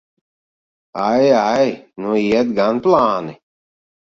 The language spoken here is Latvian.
Ai, ai! Nu iet gan plāni!